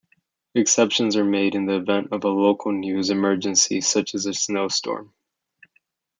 Exceptions are made in event of a local news emergency such as a snowstorm.